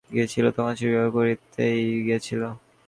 পাঁচ-ছয় মাস আগে যখন সে দেশে গিয়াছিল, তখন সে বিবাহ করিতেই গিয়াছিল।